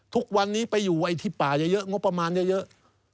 ทุกวันนี้ไปอยู่ไอ้ที่ป่าเยอะงบประมาณเยอะ